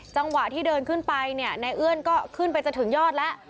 จังหวะที่เดินขึ้นไปเนี่ยนายเอื้อนก็ขึ้นไปจะถึงยอดแล้ว